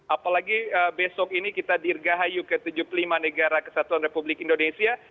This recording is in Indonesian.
apalagi besok ini kita dirgahayu ke tujuh puluh lima negara kesatuan republik indonesia